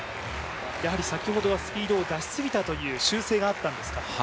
やはり先ほどはスピードを出しすぎたという修正があったんですか。